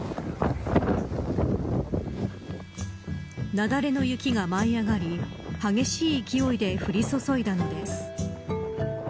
雪崩の雪が舞い上がり激しい勢いで降り注いだのです。